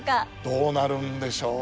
どうなるんでしょう？